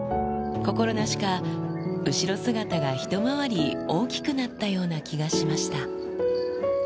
心なしか、後ろ姿が一回り大きくなったような気がしました。